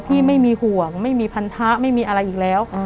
ไม่มีห่วงไม่มีพันธะไม่มีอะไรอีกแล้ว